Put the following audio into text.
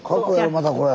またこれ。